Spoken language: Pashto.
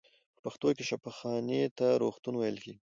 په پښتو کې شفاخانې ته روغتون ویل کیږی.